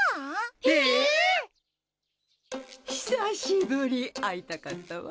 久しぶり会いたかったわ。